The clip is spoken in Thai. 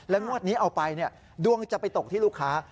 งวดนี้เอาไปดวงจะไปตกที่ลูกค้า